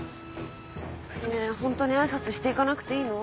ねぇホントにあいさつしていかなくていいの？